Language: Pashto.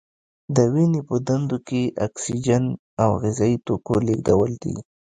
د وینې په دندو کې د اکسیجن او غذايي توکو لیږدول دي.